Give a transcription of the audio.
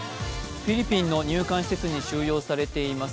フィリピンりの入管施設に収容されています